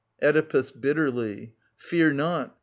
Oedipus {bitterly). Fear not